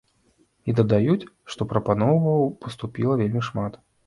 І дадаюць, што прапановаў паступіла вельмі шмат.